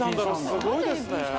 すごいですね。